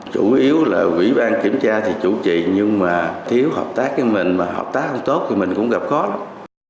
chủ yếu là quỹ bang kiểm tra thì chủ trì nhưng mà thiếu hợp tác với mình và hợp tác không tốt thì mình cũng gặp khó lắm